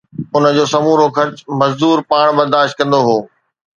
ان جو سمورو خرچ مزدور پاڻ برداشت ڪندو هو